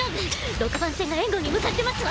六番船が援護に向かってますわ。